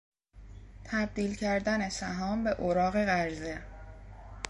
تبدیل کردن سهام به اوراق قرضه